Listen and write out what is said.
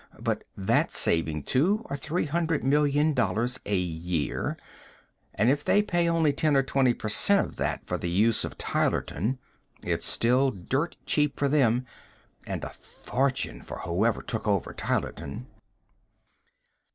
But that's saving two or three hundred million dollars a year and if they pay only ten or twenty per cent of that for the use of Tylerton, it's still dirt cheap for them and a fortune for whoever took over Tylerton."